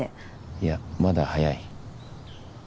いやまだ早い。